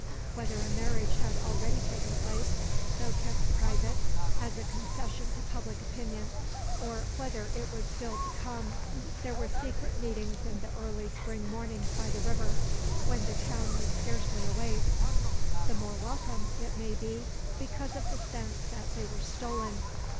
Whether a marriage had already taken place, though kept private as a concession to public opinion, or whether it was still to come, there were secret meetings in the early spring mornings by the river, when the town was scarcely awake, the more welcome, it may be, because of the sense that they were stolen.